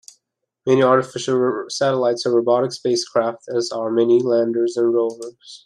Many artificial satellites are robotic spacecraft, as are many landers and rovers.